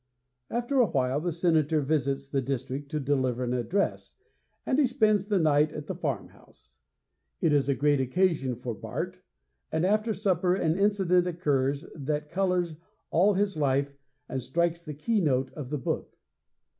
After a while the Senator visits the district to deliver an address, and he spends the night at the farmhouse. It is a great occasion for Bart; and after supper an incident occurs that colors all his life and strikes the keynote of the book.